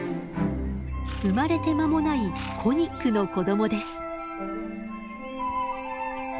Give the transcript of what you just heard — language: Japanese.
生まれて間もないコニックの子供です。